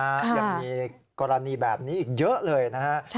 ยังมีกรณีแบบนี้อีกเยอะเลยนะฮะ